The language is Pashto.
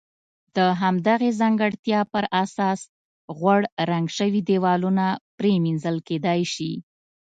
د همدغې ځانګړتیا پر اساس غوړ رنګ شوي دېوالونه پرېمنځل کېدای شي.